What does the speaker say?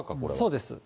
そうです。